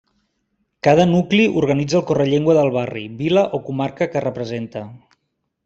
Cada nucli organitza el Correllengua del barri, vila o comarca que representa.